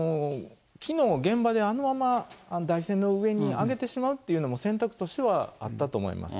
きのう、現場であのまま台船の上にあげてしまうというのも、選択としてはあったと思います。